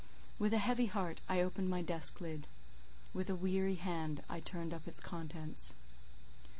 With a heavy heart I opened my desk lid; with a weary hand I turned up its contents.